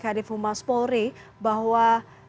kadif humas polri bahwa